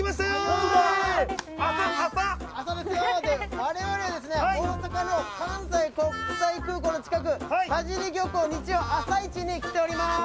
われわれは大阪の関西国際空港の近く田尻漁港の日曜朝市に来ております。